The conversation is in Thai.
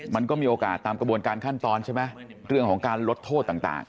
มันก็มีโอกาสตามกระบวนการขั้นตอนใช่ไหมเรื่องของการลดโทษต่าง